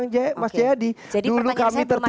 jadi pertanyaan saya belum ada jawab